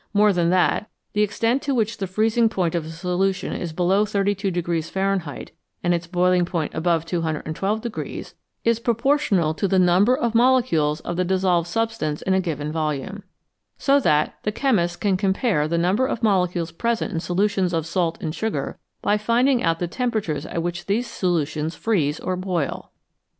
More than that, the extent to which the freezing point of a solution is below 32 Fahrenheit, and its boiling point above 212, is proportional to the number of 307 FACTS ABOUT SOLUTIONS molecules of the dissolved substance in a given volume. So that the chemist can compare the number of molecules present in solutions of salt and sugar by finding out the temperatures at which these solutions freeze or boil.